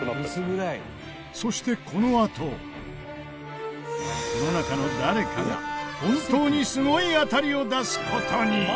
そしてこのあとこの中の誰かが本当にすごい当たりを出す事に！